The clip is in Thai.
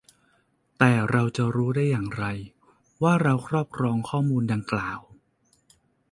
แต่เราจะรู้ได้อย่างไร ว่าเราครอบครองข้อมูลดังกล่าว ?